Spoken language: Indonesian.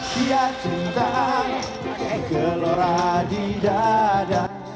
siap cinta gelora di dada